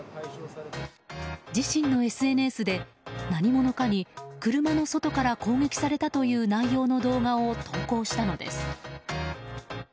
自身のＳＮＳで何者かに車の外から攻撃されたという内容の動画を投稿したのです。